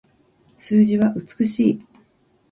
数字は美しい